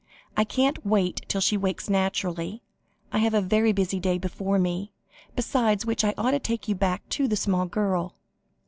I can't wait till she wakes naturally; I have a very busy day before me, besides which I ought to take you back to the small girl."